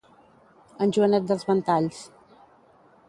En Joanet dels ventalls.